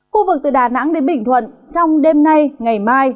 khu vực từ đà nẵng đến bình thuận trong đêm nay ngày mai